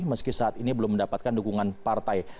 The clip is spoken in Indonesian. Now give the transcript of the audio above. meski saat ini belum mendapatkan dukungan partai